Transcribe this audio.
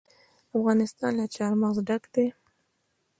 افغانستان له چار مغز ډک دی.